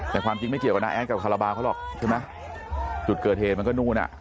แต่ความจริงไม่เกี่ยวกับน้าแอดกับคาราบาลเขาหรอกใช่ไหมจุดเกิดเหตุมันก็นู่นอ่ะ